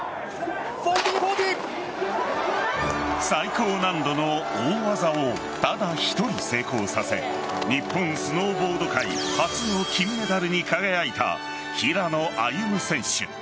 最高難度の大技をただ１人、成功させ日本スノーボード界初の金メダルに輝いた平野歩夢選手。